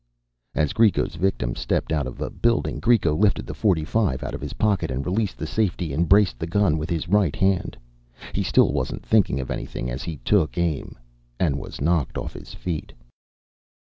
As Greco's victim stepped out of a building, Greco lifted the .45 out of his pocket. He released the safety and braced the gun with his right hand. He still wasn't thinking of anything as he took aim ... And was knocked off his feet.